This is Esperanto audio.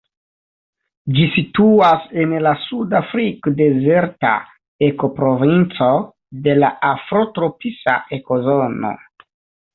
Ĝi situas en la sudafrik-dezerta ekoprovinco de la afrotropisa ekozono.